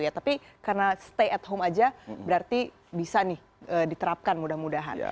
tapi karena stay at home saja berarti bisa nih diterapkan mudah mudahan